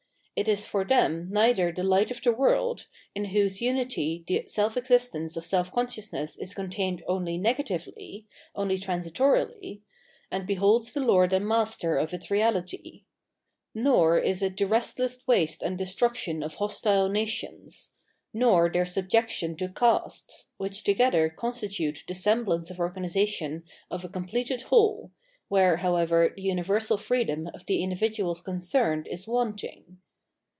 It is for them neither the Light of the World, in whose unity the self existence of self consciousness is contained only negatively, only transitorily, and beholds the lord and master of its reality ; nor is it the restless waste and destruction of hostile nations ; nor their subjection to " casts," which together constitute the semblance of organisation * Greek religion. 712 713 iieligion in the Vorm of Ait of a completed whole, where, however, the universal freedom of the individuals concerned is wanting.